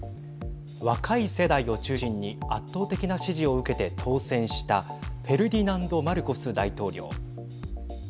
若い世代を中心に圧倒的な支持を受けて当選したフェルディナンド・マルコス大統領。